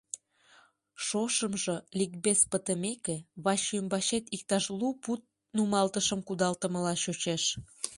Шошымжо, ликбез пытымеке, ваче ӱмбачет иктаж лу пуд нумалтышым кудалтымыла чучеш.